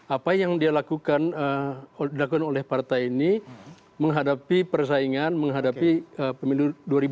apa yang dia lakukan oleh partai ini menghadapi persaingan menghadapi pemilu dua ribu dua puluh